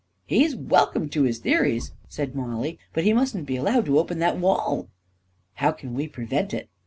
"He's welcome to his theories/' said Mollie; " but he mustn't be allowed to open that wall! " 44 How can we prevent it